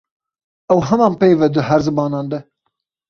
Ew heman peyv e di her zimanan de.